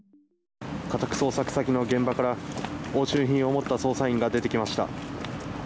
家宅捜索先の現場から押収品を持った捜査員が出てきました。